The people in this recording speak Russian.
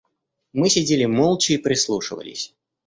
Мы сидели молча и прислушивались.